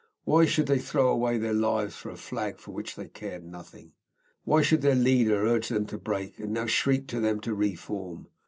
Why should they throw away their lives for a flag for which they cared nothing? Why should their leader urge them to break, and now shriek to them to re form?